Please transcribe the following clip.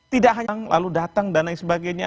tidak yang lalu datang dan lain sebagainya